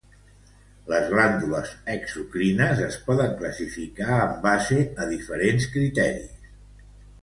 Les glàndules exocrines es poden classificar en base diferents criteris.